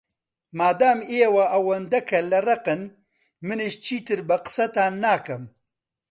مادام ئێوە ئەوەندە کەللەڕەقن، منیش چیتر بە قسەتان ناکەم.